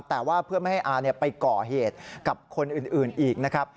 แต่ว่าเพื่อไม่ให้อาไปก่อเหตุกับคนอื่นอีกนะครับ